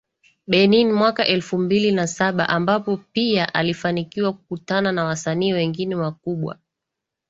Benin mwaka elfu mbili na saba ambapo pia alifanikiwa kukutana na wasanii wengine wakubwa